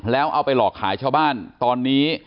แล้วเอาไปหลอกขายชาวบ้านตอนนี้